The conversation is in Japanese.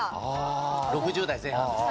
６０代前半です